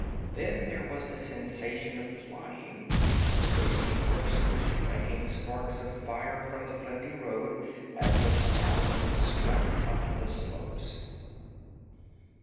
Then there was a sensation of flying, and the racing hoofs were striking sparks of fire from the flinty road as the stallion swept up the slopes.